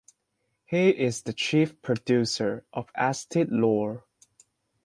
He is the chief producer of Eesti Laul.